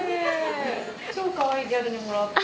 超かわいいギャルにもらった。